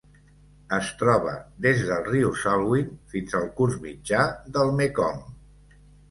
Es troba des del riu Salween fins al curs mitjà del Mekong.